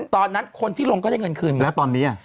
ตอนนั้นคนที่ลงก็ได้เงินคืนแล้วตอนนี้